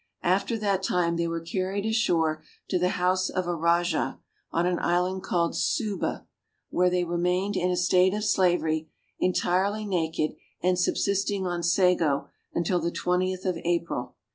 After that time they were carried ashore to the house of a rajah, on an island called Sube, where they remained in a state of slavery, entirely naked, and subsisting on sago, until the 20th of April.